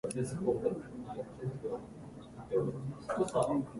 遅れないように早く準備しなさい